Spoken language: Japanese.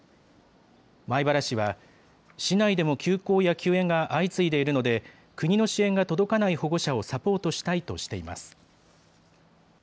米原市は市内でも休校や休園が相次いでいるので、国の支援が届かない保護者をサポートしたいとしています。